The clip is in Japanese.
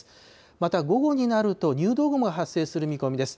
また午後になると、入道雲が発生する見込みです。